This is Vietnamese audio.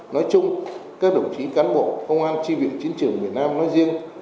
nói chung các đồng chí cán bộ công an tri viện chiến trường miền nam nói riêng